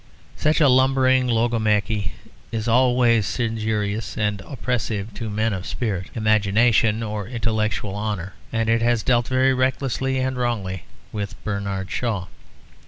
Such lumbering logomachy is always injurious and oppressive to men of spirit, imagination or intellectual honour, and it has dealt very recklessly and wrongly with Bernard Shaw.